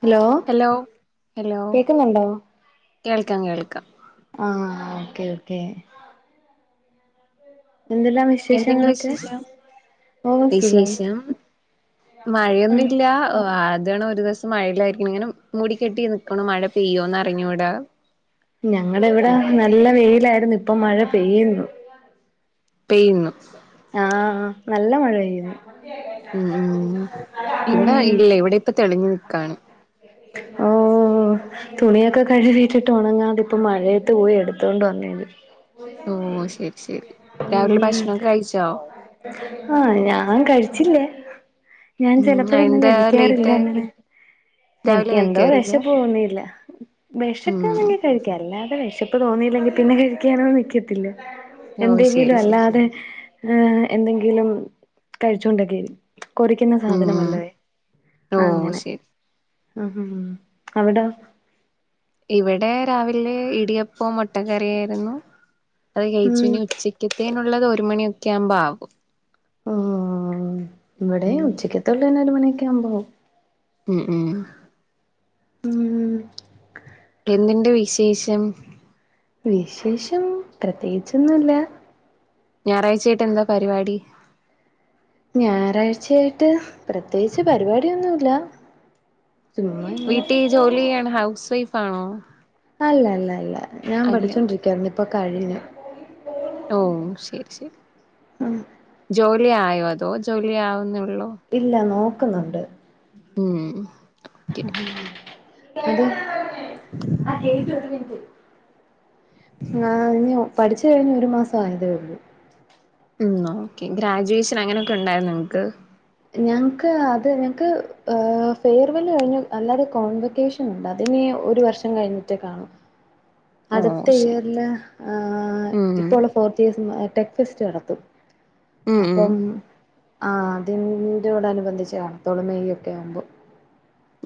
Hello hello hello. കേക്കുന്നുണ്ടോ കേൾക്കകേൾക്കാം. ആ ഓക്കെ ഓക്കെ. എന്തെല്ലാം എന്തിണ്ട് വിശേഷങ്ങളൊക്കെ വിശേഷം ഓ സുഖം വിശേഷം മഴയൊന്നുല്ല ഓ ആത് ഇതാണ് ഒരുദീസം മഴയില്ലായിരിക്കണ് ഇങ്ങനെ മൂടി കെട്ടി നിക്കണൂ മഴ പെയ്യോന്നറിഞ്ഞുടാ. ഞങ്ങളെവിടെ നല്ല വെയിലായിരുന്നു ഇപ്പം മഴ പെയ്യുന്നു. പെയ്യുന്നു. ആ നല്ല മഴ പെയ്യണ്. ഉം ഉം ഉം ഇവിടെ ഇല്ല ഇവിടെപ്പ തെളിഞ്ഞു നിക്കാണ്. ഓ. ഓ തുണിയൊക്കെ കഴുകീട്ടിട്ട് ഒണങ്ങാതിപ്പം മഴയേത്ത് പോയി എടുത്തൊണ്ട് വന്നേണ്. ഓ ശെരി ശെരി. ഉം ആ ഞാൻ കഴിച്ചില്ല ഞാൻ ഉം ചെലപ്പഴന്നും എന്താ ലേറ്റ് കഴിക്കാറില്ലങ്ങനെ. രാവിലെ എനിക്കെന്തോ കഴിക്കാറില്ല വെശപ്പോന്നില ഉം വെശക്കാന്നെങ്കി കഴിക്കും അല്ലാതെ വെശപ്പ് തോന്നിലങ്കി പിന്നെ കഴിക്കാനൊന്നും നിക്കത്തില്ല ഓ എന്തെങ്കിലും ശരി ശരി അല്ലാതെ ഏ എന്തെങ്കിലും കഴിച്ചോണ്ടോക്കെ കൊറിക്കുന്ന ഉം സാധനം വല്ലവേ ഓ അങ്ങനെ ശരി ഉം ഉം ഉം അവട ഇവിടെ രാവിലെ ഇടിയപ്പം മൊട്ടക്കറിയാരുന്നു. അത് കഴിച്ചു ഉം ഇനി ഉച്ചക്കത്തേനൊള്ളത് ഒരു മണിയൊക്കെയാമ്പം ആവും. ആ ഇവിടെ ഉം ഉച്ചക്കത്തൊള്ളെ ഒരു മണിക്കയാമ്പാവും. ഉം ഉം എന്തിണ്ട് വിശേശം? വിശേഷം പ്രത്യേകിച്ചൊന്നുല്ല ഞാറാഴ്ചായായിട്ടെന്താ പരിവാടി? ഞായറാഴ്ച്ചായിട്ട് പ്രത്യേകിച്ച് പരിവാട്യൊന്നുല്ല വീട്ടി ജോലി ചെയ്യാണ് ഹൗസ് വൈഫാണോ? അല്ല ല്ല ല്ല ല്ല ഞാൻ പഠിച്ചോണ്ടിരിക്കായ്‌ര്ന്നു ഇപ്പൊ കഴിഞ്ഞു. ഓഹ് ശെരി ശെരി. ഉം ജോലി ആയോ അതോ ജോലി ആവ്ന്നൊ ഇല്ല നോക്ക്ന്ന്ണ്ട്. ഉം ഓക്കെ എടി ആ ചേച്ചി ഒരുമിന്നിറ്റ് ആഹ് ഞു പഠിച്ച് കഴിഞ്ഞ് ഒരു മാസ ആയതേ ഉള്ളു ഉം ഓക്കെ ഗ്രാജുവേഷൻ അങ്ങനെയൊക്കെ ഉണ്ടായിരുന്നൊ നിങ്ങക്ക് ഞങ്ങക്ക് അത് ഞങ്ങക്ക് ഫെയർവെല് കഴിഞ്ഞു. അല്ലാതെ കോൺവെക്കേഷൻ ഉണ്ട് അതിനി ഒരു വർഷം കഴിഞ്ഞിട്ടേ കാണു ഓ അടുത്ത ശരി ഇയറില് ഉം ഇപ്പോള്ള ഫോർത്ത് ഇയേസ് ടെക് ഫെസ്റ്റ് നടത്തും ഉം അപ്പം ആ അതിൻ്റോട നുബന്ധിച്ച് കാണത്തൊള്ള് മെയ് ഒക്കെ ആവുമ്പോ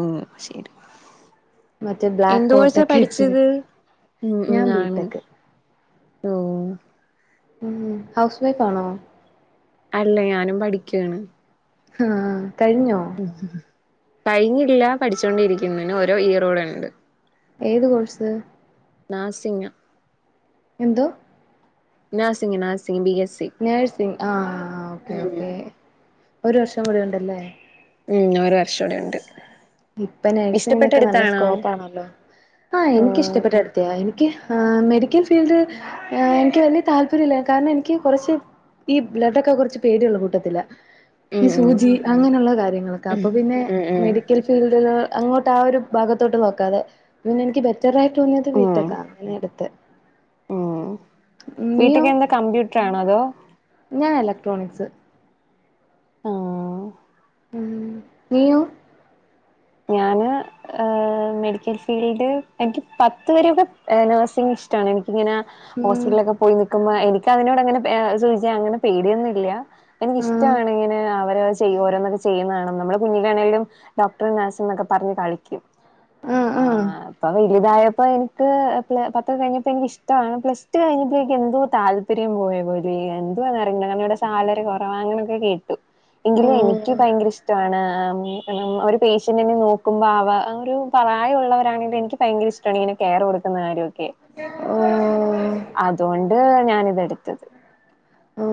ഓഹ് ശരി മറ്റേ ബ്ലാക്ക് എന്ത് കോഴ്സാ കോട്ടൊക്കെ ഇട്ട് പഠിച്ചത് ഉം ഞാൻ ഞാണും ബിടെക് ഓഹ് ഉം ഹൗസ് വൈഫാണോ അല്ല ഞാനും പഠിക്കുവാണ് ഹാ കഴിഞ്ഞോ കഴിഞ്ഞില്ല പഠിച്ചോണ്ടിരിക്കുന്ന് ഇനി ഓരോ ഇയറോടെ ഉണ്ട് ഏത് കോഴ്സ് നാഴ്സിംഗാ എന്ത നാഴ്സങ്ങ nursing B S C nursing ആ ഓക്കേ ഉം ഓക്കേ ഒരു വർഷം കൂടെ ഉണ്ടല്ലേ ഉംഒരു വർഷം കൂടെ ഉണ്ട് ഇപ്പൊ ഇഷ്ടപ്പെട്ട നഴ്സിങ്ങിനൊക്കെ നല്ല എടുത്താണോ സ്കോപ്പാണല്ലോ ആഹ ഓ എനിക്ക്ഷ്ടപ്പെട്ട എടുത്തയാ എനിക്ക് ആ മെഡിക്കൽ ഫീൽഡ് എനിക്ക് വലിയ താല്പര്യ ഇല്ല കാരണം എനിക്ക് കുറച്ച് ഈ ബ്ലഡൊക്ക കുറച്ച് പേടിയള്ള കൂട്ടത്തിലാ ഉം ഉം സൂചി അങ്ങനെയുള്ള കാര്യ നിങ്ങൾക്ക് ഉം അപ്പേ പിന്നെ ഉം മേടി അങ്ങോട്ട് ആ ഒരു ഭാഗത്തോട്ട് നോക്കാതെ പിന്നെ എനിക്ക് ബെറ്ററ ആയിട്ട് തോന്നിയത് ഉം ഉം വീക്കാ അങ്ങനെ എടുത്ത് [unintelligible] ഉം ബീട്ടക്ക് എന്താ കമ്പ്യൂട്ടർാണോ അതോ എലക്ട്രോണിക്സ് ആഹ് ഉ നീയൂ ഞാന് മെഡിക്കൽ ഫീൽഡ് എനിക്ക് പത്ത വരൊക്കെ നേഴ്സിംഗ ഇഷ്ടമാണ് എനിക്ക് ഇങ്ങനെ ഉം ഹോസ്പിറ്റലിലൊക്കെ പോയി നിക്കുമ്പോ എനിക്കതിനോട് അങ്ങനെ അങ്ങനെ പേടിയൊന്നും ഇല്ല എനിക്ക ആഹ് ഇഷ്ടമാണ് ഇങ്ങനെ അവര് ചെയ്യും ഓരോന്നൊക്കെ ചെയ്യുന്ന കാണുമ്പ നമ്മുടെ കുഞ്ഞിലാണെങ്കിലും ഡോക്ടർ നഴ്സ് നക്ക പറഞ്ഞ് കളിക്കു ആഹ് ആ ആഹ് ഇപ്പ വലുതായ ഇപ്പൊ എനിക്ക് പത്ത്കഴിഞ്ഞപ്പോ എനിക്ക് ഇഷ്ടമാണ് പ്ലസ് ടു കഴിഞ്ഞപ്പോേക്ക് എന്തോ താല്പര്യം പോയ പോല എന്തു വന്ന അറിയല്ലഅവിടെ സാലറി കുറവാങ്ങനൊക്കെ കേട്ടു എങ്കിലും എനിക്ക് ഓഹ് ഭയങ്കര ഇഷ്ടമാണ് പക്ഷങ്കി നോക്കുമ്പോ ആ അവ ഒരു പ്റായ ഉുള്ളവരാണെങ്കിൽ എനിക്ക് ഭയങ്കര ഇഷ്ടമാണ് ഇങ്ങനെ കെയർ കൊടുക്കുന്ന കാര്യൊക്ക ഓഹ് ക്കെഅതുകൊണ്ട് ഞാനിതെടുത്തത്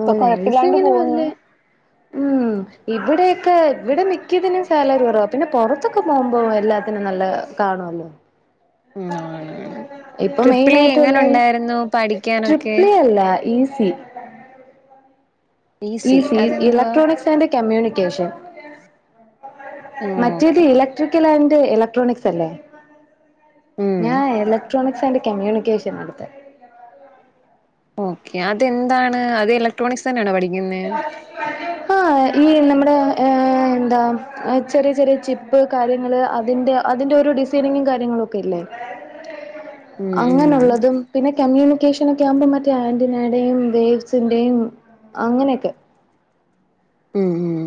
ഇപ്പൊ കൊഴപ്പില്ലാണ്ട് നഴ്സിങ്ങിന് പോകുന്നു വല്യ ഉം ഇവിടെയൊക്കെ ഇവിടെ മിക്കതിന് സാലറി കുറവാ പിന്നെ പുറത്തൊക്കെ പോകുമ്പോ എല്ലാത്തിനും നല്ല കാണുവല്ലോ ഉം ആണ് ആണ് ഇപ്പൊ മെയിൻ ട്രിപ്പിളി ആയിട്ട് എങ്ങനെ എല്ലരും ഉണ്ടായിരുന്നു പഠിക്കാനൊക്കെ ട്രിപി ലി അല്ല ഈ ഉം ഈസി ഇലക്ട്രോണിക്സ് ആൻഡ് കമ്യൂണിക്കേഷൻ മറ്റേത് ഓക്കെ ഇലക്ട്രിക്കൽ ആൻഡ് ഇലക്ട്രോണിക്സ് അല്ലേ ഉം ഞാൻ ഇലക്ട്രോണിക്സ് ആൻഡ് കമ്മ്യൂണിക്കേഷൻ എടുത്ത് ഓക്കെ അതെന്താണ് അത് ഇലക്ട്രോണിക്സ് തന്നെയാണ് പഠിക്കുന്നത് ആഹ ഈ നമ്മുടെ എന്താ ചെറിയ ചെറിയ ചിപ്പ് കാര്യങ്ങള് അതിന്റെ അതിന്റെ ഓരോ ഡിസൈനിങ്ങും കാര്യങ്ങളും ഒക്കെ ഇല്ലേ ഉം ഉം അങ്ങനെുള്ളതും പിന്നെ കമ്മ്യൂണി ൻ കേഷൻ ഒക്കെ ആകുമ്പോ മറ്റേ ആന്റനയുടെയും വേവ്സിന്റെയും അങ്ങനെയൊക്കെ ഉം ഉം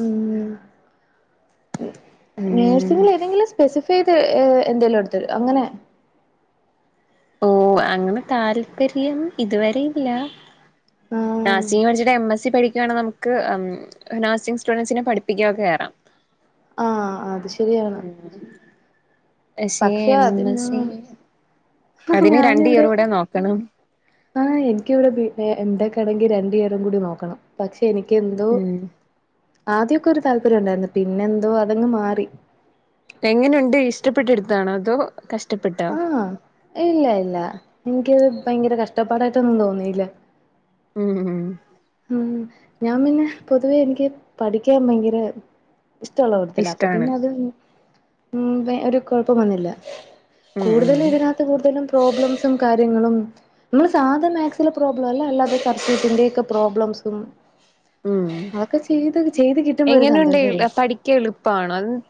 ഉം ഉം നേഴ്സിങ്ങിൽ ഏതെങ്കിലും സ്പെസിഫൈ്ത് എന്തേലും എടുത്തരു അങ്ങനെ [unintelligible] ഓ അങ്ങനെ താല്പര്യം ഇതുവരെയില്ല ആഹ് നാഴ്സിങ് പഠിച്ചിട്ട് എം എസ് സി പഠിക്ക ക്കുകയണെങ്കനമുക്ക് നഴ്സി സ്റ്റുഡൻസിനെ പഠിപ്പിക്കുകയൊക്കെ കേയറാം ആഹ അത് ശരിയാണ് പക്ഷേ പക്ഷെ എം അത് എസ് സി അതിന് രണ്ട് ഞാനിവിടെ ഇയർ കൂടെ നോക്കണം ആ എനിക്ക്ിവിടെ ക്കാണെങ്കി രണ്ടു നേരംകൂടി നോക്കണം പക്ഷെ എനിക്ക് എന്തോ ഉം ആദ്യമൊക്കെ ഒരു താല്പര്യം ഉണ്ടായിരുന്നു പിന്നെന്തോ അതങ് മാറി എങ്ങനെയുണ്ട് ഇഷ്ടപ്പെട്ടെടുത്താണോ അതോ കഷ്ടപ്പെട്ടോ ആഹ ഇല്ല ഇല്ല എനിക്ക് ഭയങ്കര കഷ്ടപ്പാടായിട്ടൊന്നും തോന്നില്ല ഉം ഉം ഞാൻ പിന്നെ പൊതുവേ എനിക്ക് പഠിക്കാൻ ഭയങ്കര ഇഷ്ടമുള്ള കൂടത്തില അപ്പൊ ഇഷ്ടാണ് പിന്നെ അത് ഉ ഒരു കൊഴപ്പോം വന്നില്ല ഉം കൂടുതലും ഉം ഇതിനകത്ത് കൂടുതലും പ്രോബ്ലംസും കാര്യങ്ങളും നമ്മള് സാധാ മാക്സിലെ പ്രോബ്ലം അല്ല അല്ലാതെ സബ്ജക്റ്റിന്റെ ഒക്കെ- പ്രോബ്ലംസും ഉം അതൊക്കെ ചെയ്ത് ചെയ്ത് കിട്ടുമ്പോ ഒരു എങ്ങനെ ഉണ്ട് സന്തോഷല്ലേ പഠിക്കാൻ എളുപ്പണോ അ-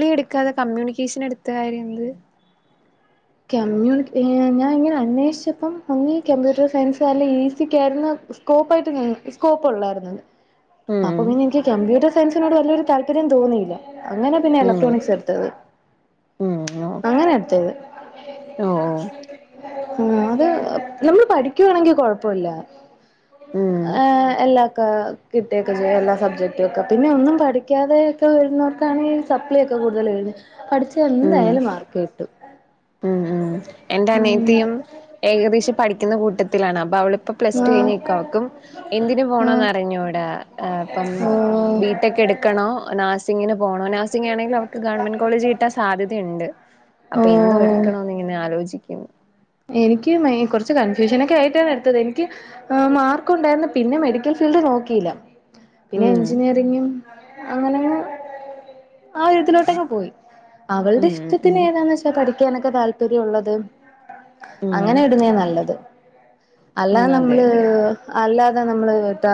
ളിയും എടുക്കാതെ കമ്മ്യൂണിക്കേഷൻ എടുത്ത കാര്യം എന്ത് കമ്മ്യൂണി ഞാൻ ഇങ്ങനെ അന്വേഷിച്ചപ്പം ഒന്നുകി കംമ്പ്യൂട്ടർ സയൻസ് അല്ലെങ്കി എസിക്കായിരുന്നു സ്കോപ്പായിട്ട് നി സ്കോപ്പ് ഉള്ളായിരുന്നോ ഉം അപ്പം ഇനി എനിക്ക് കമ്പ്യൂട്ടർ സയൻസിനോട് വല്ലൊരു താല്പര്യം തോന്നിയില്ല അങ്ങനെ പിന്നെ ഉം ഇലക്ട്രോണിക്സ് എടുത്തത് ഉം അങ്ങനെ എടുത്തത് ഓ [unintelligible] ആ അത് നമ്മള് പഠിക്കുവാണെങ്കിൽ കൊഴപ്പമില്ല ഉം ഏ എല്ലാ- കിട്ടുകയൊക്കെ ചെയ്യാം എല്ലാ സബ്ജക്റ്റും ഒക്കെ പിന്നെ ഒന്നും പഠിക്കാതെയൊക്കെ വരുന്നവർക്കാണ് ഈ സപ്ലി ഒക്കെ- കൂടുതൽ കഴിഞ്ഞ് പഠിച്ച ഉം എന്തായാലും മാർക്ക് കിട്ടും ഉം ഉം എന്റെ ഉം അനിയത്തിയും ഏകദേശം പഠിക്കുന്ന കൂട്ടത്തിലാണ് അപ്പൊ അവള്- ഇപ്പൊ പ്ലസ് ടു കഴിഞ്ഞ് ആഹ് നിക്കുവാണ് അവക്കും എന്തിന് ആഹ് പോണോന്ന് അറിഞ്ഞുടാ അപ്പം ഓഹ് ബിടെക് എടുക്കണോ നാഴസിങ്ങിന് പോണോ നാസ് - സിങ്ങാണെൽ അവൾക്ക് ഗവൺമെന്റ് കോളേജ് കിട്ടാൻ സാധ്യതുണ്ട് അപ്പൊ എന്തോ ഓഹ് എടുക്കണന്നിങ്ങനെ- ആലോചിക്കുന്നു എനിക്ക് കൊറച്ച് കൺഫ്യൂഷൻ ഒക്കെ ആയിട്ടാണ് എടുത്തത് എനിക്ക് മാർക്ക് ഉണ്ടായരുന്നു പിന്നെ മെഡിക്കൽ ഫീ ൽ ഫീഡ് നോക്കിയില്ല പിന്നെ ഉം എഞ്ചിനീറിങ്ങും അങ്ങനെ - ആ വിധത്തിലോട്ടങ്ങങ് പോയി അവള്ടെ ഉം ഇഷ്ടത്തിന് ഉം ഏതാന്ന് വെച്ചാ പഠിക്ക് നൊക്കെ താല്പര്യം ഉള്ളതും അങ്ങനെ ഉം വിടുന്നേ നല്ലത് അല്ല അതെ അതെ നമ്മള് അതെ അല്ലാ അല്ലാതെ നമ്മള് വിട്ടാ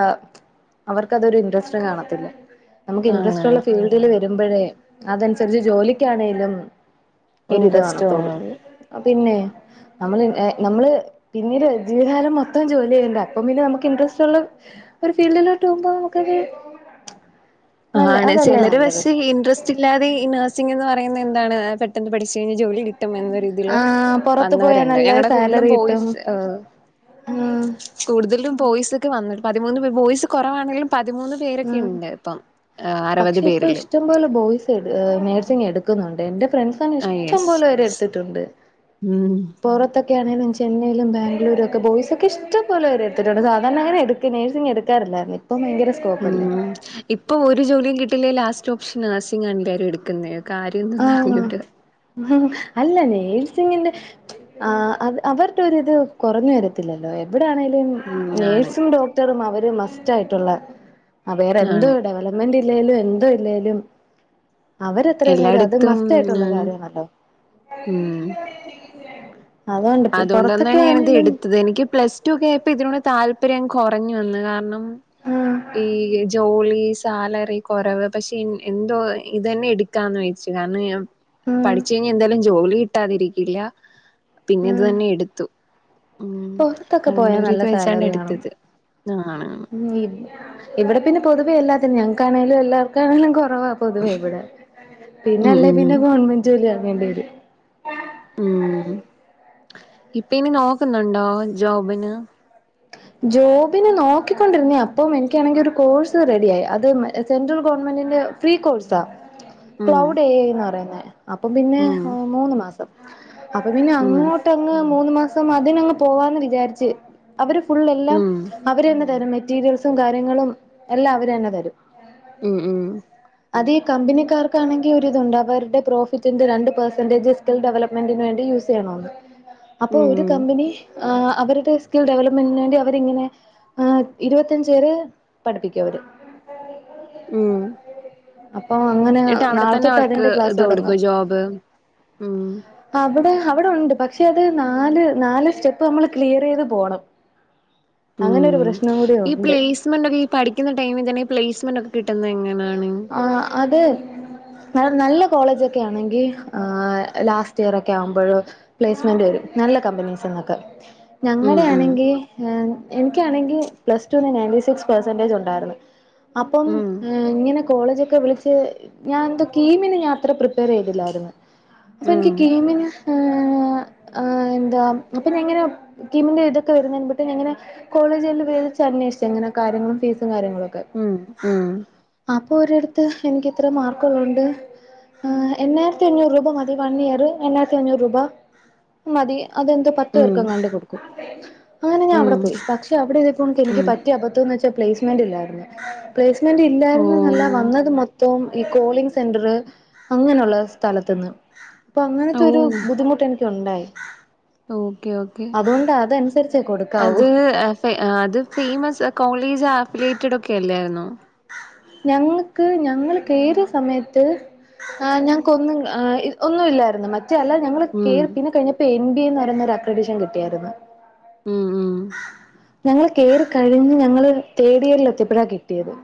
അവർക്ക് അതൊരു ഇന്റസ്റ്റ് കാണെത്തില്ലെ നമുക്ക് ഇൻട്രസ്റ്റ് ഇള്ള ആണാണ് ഫീൽഡില് വരുമ്പഴേ അതൻസരിച്ച് ജോലിക്കാണെേലും ഒരിത് ഇൻട്രസ്റ്റ് കാണത്തോളു തോന്നുന്നത് അപിന്നെ നമ്മള് നമ്മള് പിന്നീട് ജീവിതകാലം മൊത്തം ജോലി ചെയ്യുണ്ട അപ്പ പിന്നെ നമുക്ക് ഇൻട്രസ്റ്റ് ഉള്ള ഒരു ഫീൽഡിലോട്ട് പോകുമ്പോ നമുക്കത് നല്ല ആണ് അതല്ലേ ചെലര് നല്ലത് പക്ഷെ ഇന്റസ്റ്റ് ഇല്ലാതെഈ നഴ്സിംഗ എന്ന് പറ പറയുന്നതെന്താണ് പെട്ടെന്ന് പഠിച്ച് കഴിഞ്ഞാ ജോലി കിട്ടും എന്ന രീതീല് ആ പുറത്ത് പോയാ വന്നവര്ണ്ട് നല്ല ഞങ്ങടെ കൂടുതലും സാലറി കിട്ടും ബോയിസ് ഹ് ഉം കൂട്തലും ബോയ്സ് ഒക്കെ വന്ന് പതിമൂന്ന് പേ ബോയ്സ് കൊറവാണേലും പതിമൂന്ന് പേരൊക്കെ ഉം ഇണ്ട് ഇപ്പം അറുപത് പക്ഷെ ഇപ്പൊ പേരില് ഇഷ്ടംപോലെ ബോയ്സ് നേഴ്സിങ് എടുക്കുന്നുണ്ട് എൻ്റെ ഫ്രണ്ട്സ ന്നെ ആ ഇഷ്ടം യെസ് പോലെവരെ എട്ത്തിട്ട്ണ്ട് ഉം പൊറത്തൊക്കെ ഒക്കെ ആണേലും ചെന്നൈയിലും ബംഗ്ലൂരൊക്കെ ബോയ്സൊക്കെ ഇഷ്ടം പോലെരെ എട്ത്തിട്ടുണ്ട് സാധാരണ അങ്ങനെ എടുക്കെ നഴ്സിങ് എടുക്കാറില്ലാ ല്ലാതെ ഇപ്പം ഭയെങ്കര സ്കോ ഉം ഇപ്പൊ ഒരു ജോലിയും കിട്ടില്ലേല് ലാസ്റ്റ് ഓപ്ഷൻ നഴ്സിംഗ് ആണല്ലാരും എടുക്കുന്നെ ആഹ് അഹ് അല്ലന്നെ ണ്ട് ആഹ് അവര്ട്ടൊര് ഇത് കൊറഞ്ഞ് വരത്തില്ലല്ലോ [unintelligible] ഇവിടേ ആണെലും ഉം ആണ് നെഴ്സും ഡോക്ടറും അവര് മസ്റ്റ് ആയിട്ട്ള്ള വേറെന്ത് ആണ് ഡെവലപ്മെന്റ് ഇല്ലേലും എന്തു ഇല്ലേലും അവരെത്രേയും അത് എല്ലായിടത്തും മസ്റ്റായിട്ടുള്ള കാര്യാണല്ലോ അതുകൊണ്ടാന്നെന്നെ ഞാനിത് ആണേലും എടുത്തത് എനിക്ക് പ്ലസ് ടു ക കേപ്പ് [unintelligible] ഇതിനോട് താല്പര്യം [unintelligible] കൊറഞ്ഞു വന്ന്കാര്ണം ആഹ് ഈ ജോലി ഈ സാലറി കൊറവ പക്ഷെ ഇൻ എന്തോ ഇതെനെ ഇട്ക്കാന്ന് വെച്ച് കാരണം [unintelligible] ആഹ് പഠിച്ച് കഴിഞ്ഞാ എന്തായാലും ജോലി കിട്ടാതിരിക്കില്ല പിന്നെത് തന്നെ എടുത്തു ഉം പുറത്തൊക്കെ അങ്ങനെ പോയാൽ ഒരു നല്ല ഇത് വെച്ചാണ് സാലറിയാണോ എടുത്തത് ആണ് ഉം ഇവിടെ പിന്നെ പൊതുവേ എല്ലാത്തിും ഞങ്ങക്കാണേങ്കലും എല്ലാർക്കാണേലും വാ പൊതുവേ ഇവിടെ ഉം പിന്നെല്ലേ ഉം പിന്നെ ഗവൺമെന്റ് ജോലിയാ വേണ്ടിയര് ഉം ഇപ്പ ഇനി നോക്കുന്നുണ്ടോ ജോബിന് ജോബിനെ നോക്കിക്കൊണ്ടിരുന്ന അപ്പം എനിക്കാണെങ്കിൽ ഒരു കോഴ്സ് റെഡിയ ആയി അത് സെൻട്രൽ ഗവൺമെന്റ് [unintelligible] ഫ്രീ കോഴ്സാ ഉം ക്ലൗഡ് ഏ ഐ എന്ന് പറയുന്നേ അപ്പൊ പിന്നെ ഉം മൂന്ന് മാസം അപ്പൊ പിന്നെ ഉം അങ്ങോട്ടങ്ങ് മൂന്ന് മാസം അതിനങ്ങ് പോവാന്ന് വിചാരിച്ച് അവര് ഫുൾ എല്ലാം ഉം അവര് തന്നെ തരും മെറ്റീരിയൽസും കാര്യങ്ങളും എല്ലാം അവര് തന്നെ തരും ഉം ഉം അതെ കമ്പനി ക ആർകാണെങ്കിൽ ഒരു തുണ്ട് അവരുടെ പ്രോഫിറ്റിന്റെ ര പെർസെൻ്റെജ് സ്കിൽ ഡെവലപ്മെന്റിന് വണ്ടി യൂസ് ചെയ്യണോ അപ്പോ ഉം ഒരു കമ്പനി അവരുടെ സ്കിൽ ഡെവലപ്പ് മേണ്ടി അവരിങ്ങനെ ആ ഇരുപത്തിഞ്ച് പേര് പഠിപ്പിക്ക അവര് ഉം അപ്പൊ അങ്ങനെ എന്നിട്ട് അവിടെ തന്നെ നാളെത്തൊട്ട് അവർക്ക് അതിന്റെ ക്ലാസ്സ് ഇത് തുടങ്ങാ കൊടുക്കും ജോബ് ഉം അവിടെ അവിടെ ഉണ്ട് പക്ഷ പക്ഷെ അത് നാല് നാല് സ്റ്റെപ്പ് നമ്മൾ ക്ലിയർ ചെയ്ത് പോകണം ഉം ഈ ഉണ്ട് പ്ലേസ്മെന്റ് ഒക്കെ ഈ പഠിക്കുന്ന ടൈമിൽ തന്നെഈ പ്ലേസ്മെന്റ്ക്കെ ആ അതെ നല്ല കോളേജ്ക്കെ ആണെങ്കിൽ ആ ലാസ്റ്റ് ഇയർ ഒക്കെ ആവുമ്പോഴ് പ്ലേസ്മെന്റ് വരും നല്ല കമ്പനീസ്നൊക്കെ ഉം ഞങ്ങടെ ഉം ആണങ്കിൽ ആ എനിക്കാണെങ്കിൽ പ്ലസടുന്ന് നയൻ്റി സിസ് പേഴ്സന്റജ് ഉണ്ടായിരുന്നു അപ്പോ ഇങ്ങനെ കോളേജൊക്കെ വിളിച്ച് ഞാൻ എന്താ കീമിന് ത്ര പ്ര ചൈതില്ലായിരുന്നു ഉം അപ്പം ഉം എനിക്ക് കീമിന് ആ എന്താ അപ്പൊ കിമിൻ്റെ ഇതൊക്കെ വരുന്ന ഞങ്ങനെ കോളേജി [unintelligible] അന്വേഷിച്ച എങ്ങനെ കാര്ങ്ങളും ഫീസും കാര്യങ്ങളും ഉം ഉം അപ്പൊ ഒരടത്ത് എനിക്ക്ത്ര മാർക്കുള്ളോണ്ട് ആ എണ്ണായിരത്തി അഞ്ഞൂറ് രൂപ മതി വൺ ഇയർ എണ്ണായിരത്തി അഞ്ഞൂറ് രൂപ മതി അതെന്തോ പത്ത് ഉം പേർക്കും കണ്ടി കൊടുക്കും അങ്ങനെ ഞാൻ ഉം അവിടെ പോയി പക്ഷെ അവിടെ ഇതിപ്പോ എനിക്ക് ഉം പറ്റിയ അബദ്ധം എന്ന് വെച്ചാ പെളയ്സ് മൻ്റില്ലാതെ പെളയ്സ് ന്റ് ഓ ഇല്ലായിരുന്നന്നല്ല വന്നത് മൊത്തം ഈ കോളിംഗ് സെന്റർ അങ്ങനെയുള്ള സ്ഥലത്തന്ന് അപ്പൊ ഓ അങ്ങനത്തെ ഒരു ബുദ്ധിമുട്ട് എനിക്ക്ണ്ടായി ഓക്കെ ഓക്കെ അത് കൊടുക്കാവൂ അത് ഫേമസ് കോളേജാ ഫിലിയേറ്റഡ് ഒക്കെ അല്ലായിരുന്നോ. ഞങ്ങക്ക് ഞങ്ങൾക്കേത് സമയത്ത് ഏ ഞങ്ങക്കൊന്നുംഏ ഒന്നുമില്ലായിരുന്നു മറ്റ [unintelligible] അല്ല ഞങ്ങള് ഉം പിന്നെ [unintelligible] കഴിഞ്ഞപ്പോ എൻ ബി എന്ന് പറയുന്നൊരു അക്രഡീഷൻ കിട്ടിയായിരുന്നു. ഉം ഉം ഞങ്ങള് കേറി കഴിഞ്ഞ് ഞങ്ങള് തേടിയിറൽ എത്തിയപ്പഴാ കിട്ടിയത്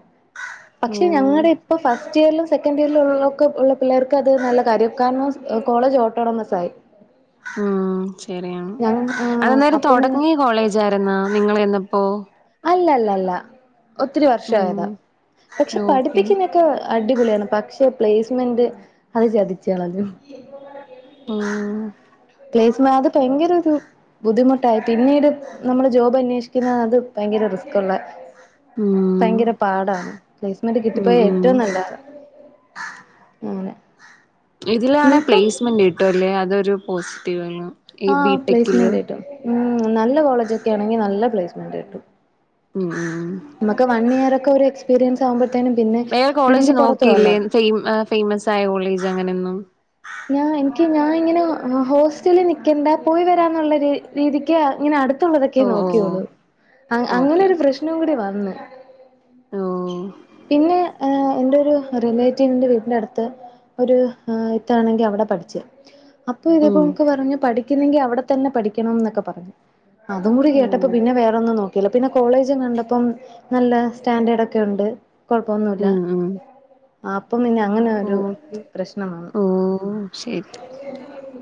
ഓ പക്ഷെ ഞങ്ങളുടെ ഇപ്പൊ ഫസ് ഫസ്റ്റ് ഇയറിലും സെക്കൻഡ് ഇയറിലും ഉള്ളോര്ക്ക് ഉള്ള പിള്ളേര്ക് അത് നല്ല കാര്യ കാരണം കോളേജ് ഓട്ടണമസായി. ഉം ശരിയാണ് ആഹ് അതെന്തായാലും അപ്പം പിന്നെ തൊടങ്ങിയ കോളേജായിരുന്നോ നിങ്ങള് ചെന്നപ്പൊ അല്ലല്ലല്ല ഒത്തിരി വർഷായതാ ഉം പക്ഷെ ഓക്കെ പഠിപ്പിക്കുന്നൊക്കെ അടിപൊളിയാണ് പക്ഷെ പ്ലേസ്മെന്റ് അത് ചതിച്ചളഞ്ഞു ആഹ് പ്ലേസ്മെ അത് ഭയങ്കര ഒരു ബുദ്ധിമുട്ടായി പിന്നീട് നമ്മള് ജോബ് അന്വേഷിക്കുന്നത് ഭയങ്കര റിസ്ക് ഉള്ള ഉം ഭയങ്കര പാടാണ് പ്ലേസ്മെന്റ് ഉം കിട്ടിപ്പോയാ ഉം ഏറ്റവും നല്ലത് അതാ അങ്ങനെ ഇതിലാണെ നിനക്കും പ്ലേസ്മെന്റ് കിട്ടുവല്ലേ അതൊരു പോസിറ്റീവാണ് ആ പ്ലേസ്മെന്റ് കിട്ടും. മ് നല്ല കോളേജൊക്കെയാണെങ്കി നല്ല പ്ലേസ്മെന്റ് കിട്ടും. ഉം ഉം നമുക്ക് വൺ ഇയർ ഒക്കെ ഒരു എക്സ്പീരിയൻസ് ആവുമ്പൊ വേറെ കോളേജ് നോക്കിയില്ലേ ഫെയ് ഫെയ്മസ് ആയ കോളേജ് അങ്ങനെയൊന്നും ഞാ എനിക്ക് ഞാൻ ഇങ്ങനെ ഹോസ്റ്റലിൽ നിക്കണ്ട പോയി വരാന്നുള്ള രീതിക്ക് ഇങ്ങനെ അടുത് ത്തുള്ളതൊക്കെ ഓ ഓ നോക്കിയുള്ളൂ ഓക്കെ അങ്ങനൊരു ഓക്കെ പ്രശ്നം കൂടി വന്നു. ഓ പിന്നെ എന്റൊരു റിലേറ്റീവിന്റെ വീടിന്റെ അടുത്ത് ഒരു ഇത്താണെങ്കി അവിടെ പഠിച്ച് അപ്പൊ ഉം ഇതേപോണക്ക് പറഞ്ഞു പഠി പഠിക്കുന്നെങ്കി അവിടെ തന്നെ പഠിക്കണംന്നൊക്കെ പറഞ്ഞു അതും കൂടി കേട്ടപ്പം ഉം പിന്നെ വേറെ ഒന്നും നോക്കിയില്ല പിന്നെ കോളേജ് കണ്ടപ്പം നല്ല സ്റ്റാൻഡേർഡ് ഒക്കെ ഉണ്ട് കുഴപ്പൊന്നുല്ല മ് മ് അപ്പം പിന്നെ അങ്ങനെ ഒരു ഓക്കെ പ്രശ്നം വന്നു മ് ശെരി